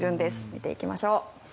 見ていきましょう。